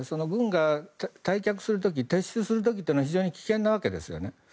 軍が退却する時撤収する時というのは非常に危険なわけですよね。